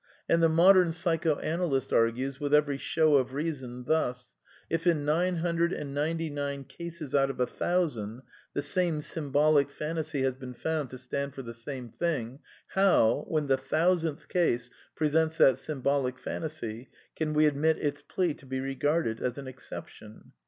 And the modern psychoanalyst argues, with every show of reason, thus : liik nine hun dred and ninety nine cases out of a thousand the same sym bolic phantasy has been found to stand for the same thing, how, when the thousandth case presents that symbolic phantasy, can we admit its plea to be regarded as an excep tion